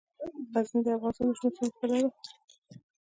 غزني د افغانستان د شنو سیمو ښکلا ده.